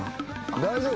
大丈夫？